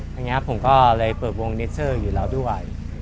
อย่างนี้ผมก็เลยเปิดวงเนสเซอร์อยู่แล้วด้วย